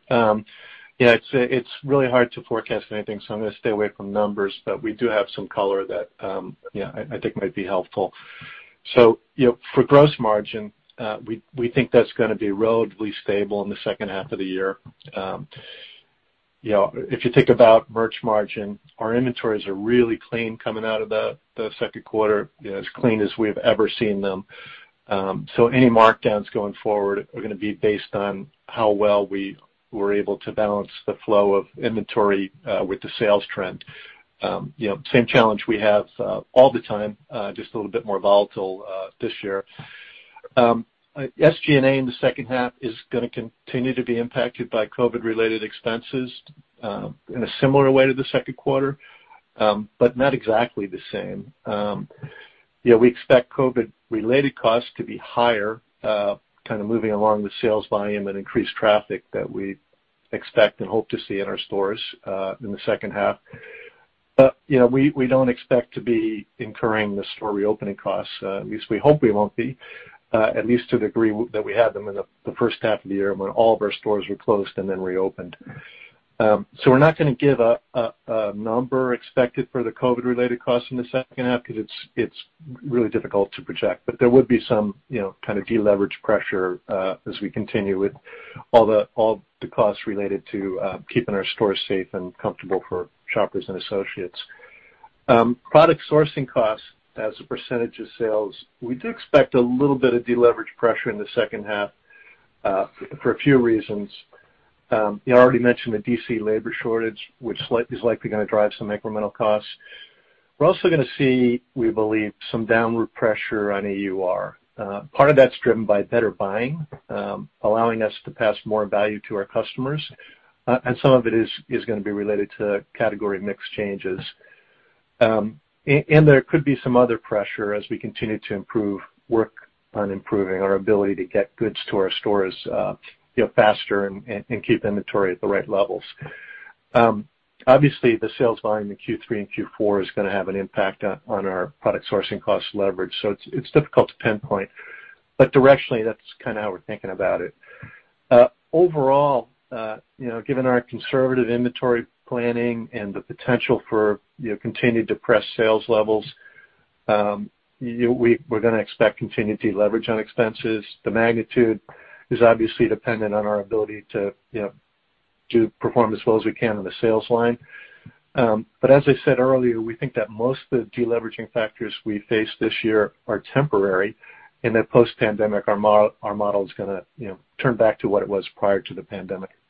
Yeah, it's really hard to forecast anything, so I'm going to stay away from numbers. But we do have some color that I think might be helpful. So for gross margin, we think that's going to be relatively stable in the second half of the year. If you think about merch margin, our inventories are really clean coming out of the second quarter, as clean as we've ever seen them. So any markdowns going forward are going to be based on how well we were able to balance the flow of inventory with the sales trend. Same challenge we have all the time, just a little bit more volatile this year. SG&A in the second half is going to continue to be impacted by COVID-related expenses in a similar way to the second quarter, but not exactly the same. We expect COVID-related costs to be higher, kind of moving along the sales volume and increased traffic that we expect and hope to see in our stores in the second half. But we don't expect to be incurring the store reopening costs. At least we hope we won't be, at least to the degree that we had them in the first half of the year when all of our stores were closed and then reopened. So we're not going to give a number expected for the COVID-related costs in the second half because it's really difficult to project. But there would be some kind of deleverage pressure as we continue with all the costs related to keeping our stores safe and comfortable for shoppers and associates. Product sourcing costs as a percentage of sales, we do expect a little bit of deleverage pressure in the second half for a few reasons. I already mentioned the DC labor shortage, which is likely going to drive some incremental costs. We're also going to see, we believe, some downward pressure on AUR. Part of that's driven by better buying, allowing us to pass more value to our customers. And some of it is going to be related to category mix changes. And there could be some other pressure as we continue to work on improving our ability to get goods to our stores faster and keep inventory at the right levels. Obviously, the sales volume in Q3 and Q4 is going to have an impact on our product sourcing cost leverage. So it's difficult to pinpoint. But directionally, that's kind of how we're thinking about it. Overall, given our conservative inventory planning and the potential for continued depressed sales levels, we're going to expect continued deleverage on expenses. The magnitude is obviously dependent on our ability to perform as well as we can on the sales line. But as I said earlier, we think that most of the deleveraging factors we face this year are temporary, and that post-pandemic, our model is going to turn back to what it was prior to the pandemic. Thank you.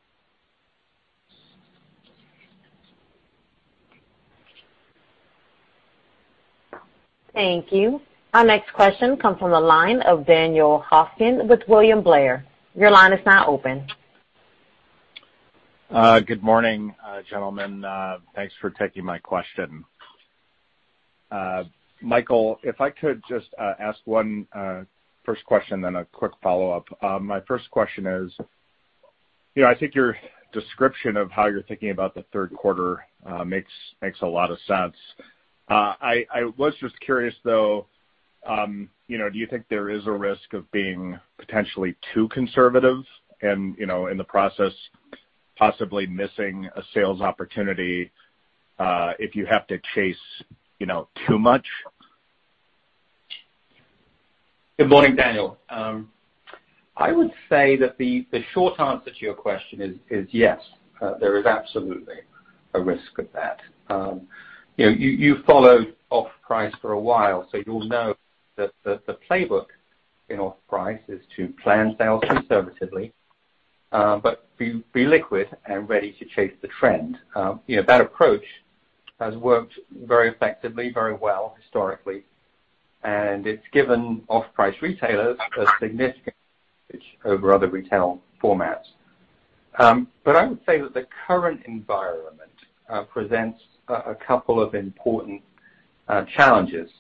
Our next question comes from the line of Daniel Hofkin with William Blair. Your line is now open. Good morning, gentlemen. Thanks for taking my question. Michael, if I could just ask one first question, then a quick follow-up. My first question is, I think your description of how you're thinking about the third quarter makes a lot of sense. I was just curious, though, do you think there is a risk of being potentially too conservative and in the process possibly missing a sales opportunity if you have to chase too much? Good morning, Daniel. I would say that the short answer to your question is yes. There is absolutely a risk of that. You followed off-price for a while, so you'll know that the playbook in off-price is to plan sales conservatively but be liquid and ready to chase the trend. That approach has worked very effectively, very well historically, and it's given off-price retailers a significant advantage over other retail formats. But I would say that the current environment presents a couple of important challenges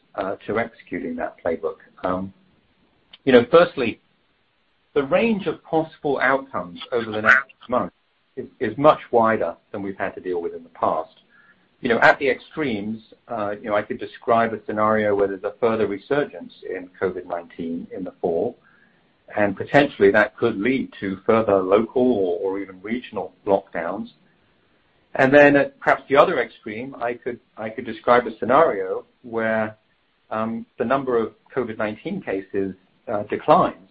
to executing that playbook. Firstly, the range of possible outcomes over the next month is much wider than we've had to deal with in the past. At the extremes, I could describe a scenario where there's a further resurgence in COVID-19 in the fall, and potentially that could lead to further local or even regional lockdowns. Then perhaps the other extreme, I could describe a scenario where the number of COVID-19 cases declines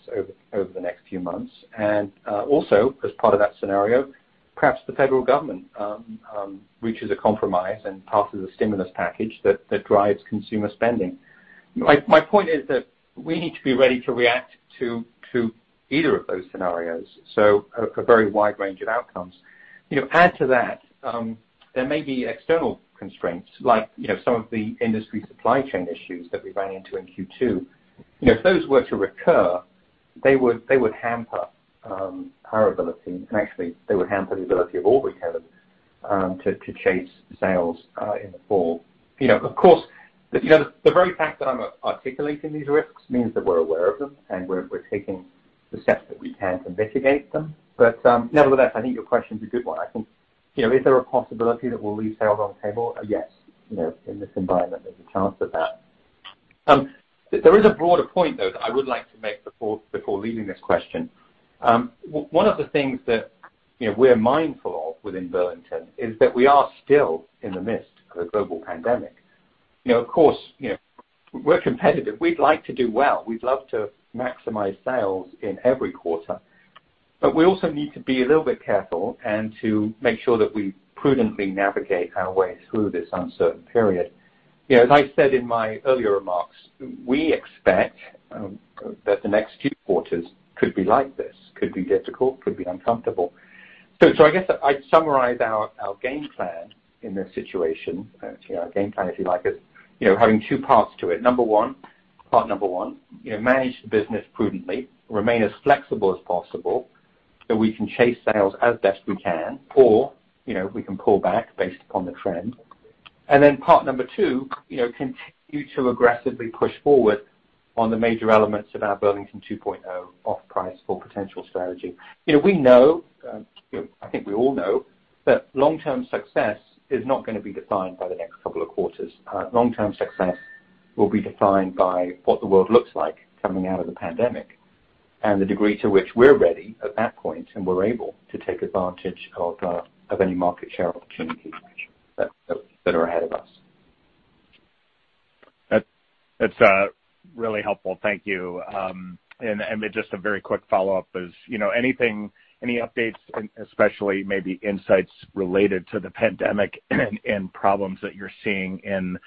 over the next few months. Also, as part of that scenario, perhaps the federal government reaches a compromise and passes a stimulus package that drives consumer spending. My point is that we need to be ready to react to either of those scenarios, so a very wide range of outcomes. Add to that, there may be external constraints like some of the industry supply chain issues that we ran into in Q2. If those were to recur, they would hamper our ability, and actually, they would hamper the ability of all retailers to chase sales in the fall. Of course, the very fact that I'm articulating these risks means that we're aware of them and we're taking the steps that we can to mitigate them. But nevertheless, I think your question is a good one. I think, is there a possibility that we'll leave sales on the table? Yes. In this environment, there's a chance of that. There is a broader point, though, that I would like to make before leaving this question. One of the things that we're mindful of within Burlington is that we are still in the midst of a global pandemic. Of course, we're competitive. We'd like to do well. We'd love to maximize sales in every quarter. But we also need to be a little bit careful and to make sure that we prudently navigate our way through this uncertain period. As I said in my earlier remarks, we expect that the next few quarters could be like this, could be difficult, could be uncomfortable. So I guess I'd summarize our game plan in this situation, our game plan, if you like, as having two parts to it. Number one, part number one, manage the business prudently, remain as flexible as possible so we can chase sales as best we can, or we can pull back based upon the trend. And then part number two, continue to aggressively push forward on the major elements of our Burlington 2.0 off-price full potential strategy. We know, I think we all know, that long-term success is not going to be defined by the next couple of quarters. Long-term success will be defined by what the world looks like coming out of the pandemic and the degree to which we're ready at that point and we're able to take advantage of any market share opportunities that are ahead of us. That's really helpful. Thank you. And just a very quick follow-up is any updates, especially maybe insights related to the pandemic and problems that you're seeing in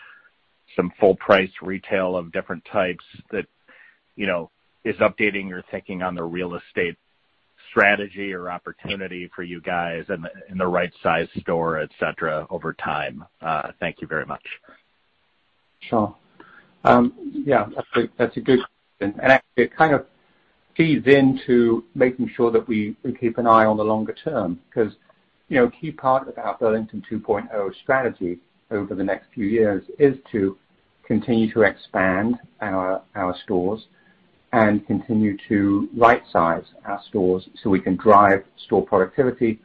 some full-price retail of different types that is updating your thinking on the real estate strategy or opportunity for you guys and the right-sized store, etc., over time? Thank you very much. Sure. Yeah, that's a good question. And actually, it kind of feeds into making sure that we keep an eye on the longer term because a key part of our Burlington 2.0 strategy over the next few years is to continue to expand our stores and continue to right-size our stores so we can drive store productivity,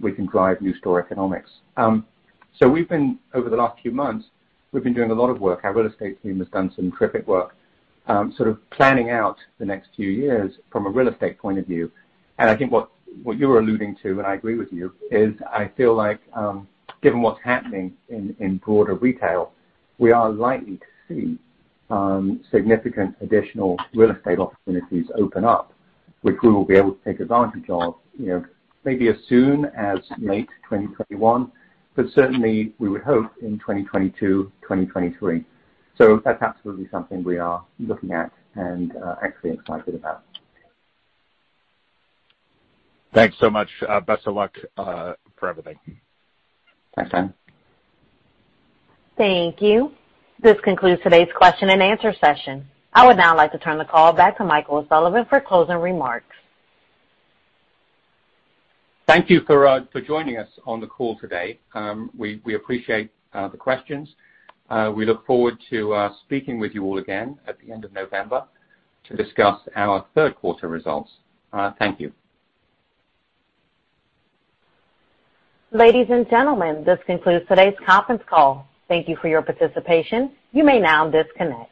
we can drive new store economics. So over the last few months, we've been doing a lot of work. Our real estate team has done some terrific work sort of planning out the next few years from a real estate point of view. And I think what you were alluding to, and I agree with you, is I feel like given what's happening in broader retail, we are likely to see significant additional real estate opportunities open up, which we will be able to take advantage of maybe as soon as late 2021, but certainly we would hope in 2022, 2023, so that's absolutely something we are looking at and actually excited about. Thanks so much. Best of luck for everything. Thanks, Dan. Thank you. This concludes today's question and answer session. I would now like to turn the call back to Michael O'Sullivan for closing remarks. Thank you for joining us on the call today. We appreciate the questions. We look forward to speaking with you all again at the end of November to discuss our third quarter results. Thank you. Ladies and gentlemen, this concludes today's conference call. Thank you for your participation. You may now disconnect.